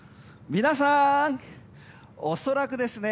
皆さん、恐らくですね